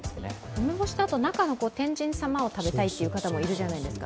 梅干しだと、中の天神様を食べたいという方もいるじゃないですか。